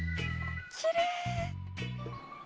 きれい！